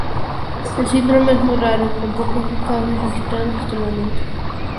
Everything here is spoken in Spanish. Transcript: El síndrome es muy raro, con pocos casos registrados hasta el momento.